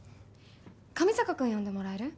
上坂君呼んでもらえる？